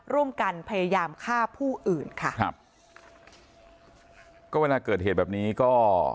ร่วมกันพยายามฆ่าผู้อื่นค่ะครับก็เวลาเกิดเหตุแบบนี้ก็